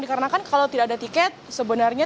dikarenakan kalau tidak ada tiket sebenarnya